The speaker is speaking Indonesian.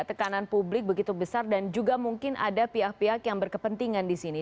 tekanan publik begitu besar dan juga mungkin ada pihak pihak yang berkepentingan di sini